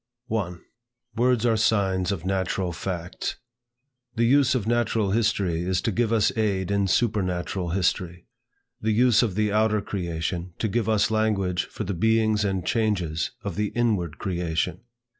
1. Words are signs of natural facts. The use of natural history is to give us aid in supernatural history: the use of the outer creation, to give us language for the beings and changes of the inward creation.